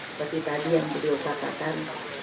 seperti tadi yang beliau katakan